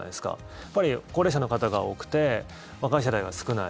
やっぱり高齢者の方が多くて若い世代が少ない。